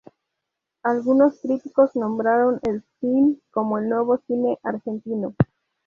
Algunos críticos nombraron el film como "el nuevo cine argentino".